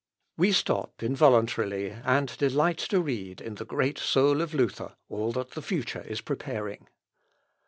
We stop involuntarily and delight to read in the great soul of Luther all that the future is preparing.